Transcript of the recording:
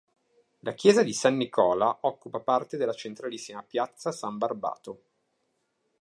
La Chiesa di San Nicola occupa parte della centralissima Piazza San Barbato.